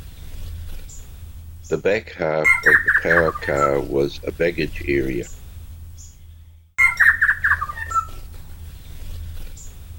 The back half of the power car was a baggage area.